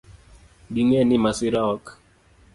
Ging'e ni masira ok